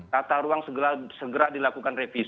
tata ruang segera dilakukan